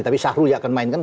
tapi syahrul yang akan main kan